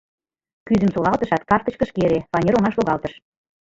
Кӱзым солалтышат, картычкыш кере, фанер оҥаш логалтыш.